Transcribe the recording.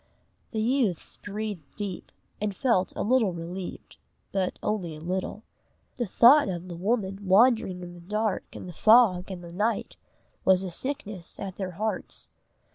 The youths breathed deep, and felt a little relieved, but only a little. The thought of the woman wandering in the dark and the fog and the night, was a sickness at their hearts.